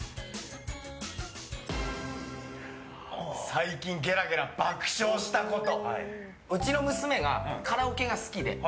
最近、ゲラゲラ爆笑したこと。